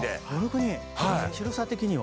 広さ的には？